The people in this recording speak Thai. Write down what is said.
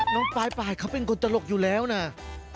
น้องปลายเขาเป็นคนตลกอยู่แล้วนะ